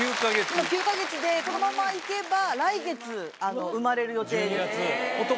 今９か月でこのままいけば来月生まれる予定です。